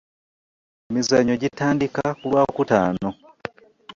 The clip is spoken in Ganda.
Emizannyo gitandika ku lwakutaano